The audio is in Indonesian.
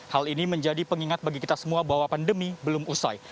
hal ini menjadi pengingat bagi kita semua bahwa pandemi belum usai